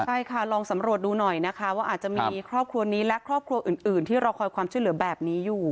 ใช่ค่ะลองสำรวจดูหน่อยนะคะว่าอาจจะมีครอบครัวนี้และครอบครัวอื่นที่รอคอยความช่วยเหลือแบบนี้อยู่